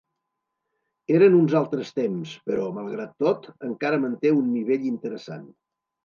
Eren uns altres temps, però, malgrat tot, encara manté un nivell interessant.